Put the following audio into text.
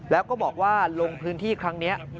แล้วก็บอกว่าลงพื้นที่ครั้งนี้